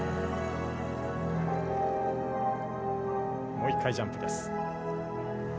もう一回ジャンプです。